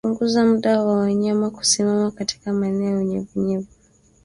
Kupunguza muda wa wanyama kusimama katika maeneo ya unyevunyevu